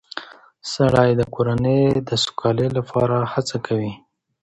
سړی د کورنۍ د سوکالۍ لپاره هڅه کوي